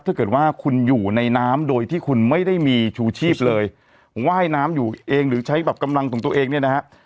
ถ้าเกิดว่าคุณอยู่ในน้ำโดยที่คุณไม่ได้มีชูชีพเลยว่ายน้ำอยู่เองหรือใช้แบบกำลังของตัวเองเนี่ยนะฮะ